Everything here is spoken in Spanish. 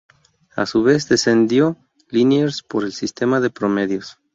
A su vez, descendió Liniers por el sistema de promedios.